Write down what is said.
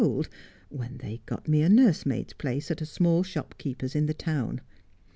old, when they got me a nursemaid's place at a small shop keeper's in the town.